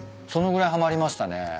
そのぐらいはまりましたね。